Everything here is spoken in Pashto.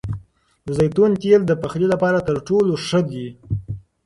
د زیتون تېل د پخلي لپاره تر ټولو ښه دي.